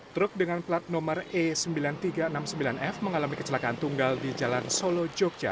truk dengan plat nomor e sembilan ribu tiga ratus enam puluh sembilan f mengalami kecelakaan tunggal di jalan solo jogja